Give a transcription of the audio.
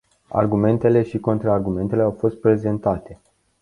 Argumentele și contraargumentele au fost prezentate.